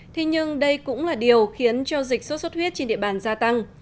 thế nhưng đây cũng là điều khiến cho dịch sốt xuất huyết trên địa bàn gia tăng